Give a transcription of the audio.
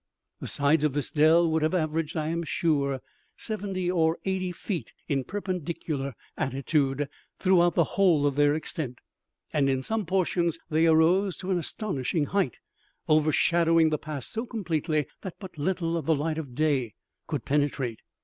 The sides of this dell would have averaged, I am sure, seventy or eighty feet in perpendicular altitude throughout the whole of their extent, and in some portions they arose to an astonishing height, overshadowing the pass so completely that but little of the light of day could penetrate.